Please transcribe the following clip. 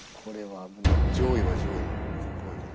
上位は上位で。